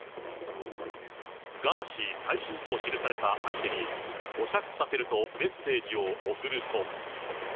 ガーシー最新と記された相手に、保釈させるとメッセージを送ると。